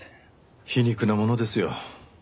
皮肉なものですよ。